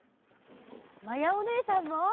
まやおねえさんも。